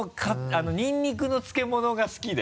ニンニクの漬物が好きで。